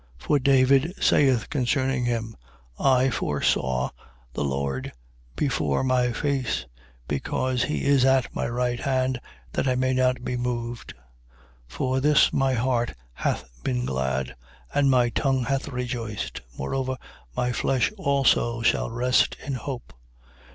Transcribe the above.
For David saith concerning him: I foresaw the Lord before my face: because he is at my right hand, that I may not be moved. 2:26. For this my heart hath been glad, and my tongue hath rejoiced: moreover my flesh also shall rest in hope.